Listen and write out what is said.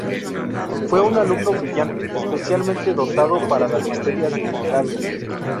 Fue un alumno brillante, especialmente dotado para las materias literarias.